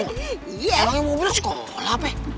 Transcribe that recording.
orangnya mobilnya sekolah apa ya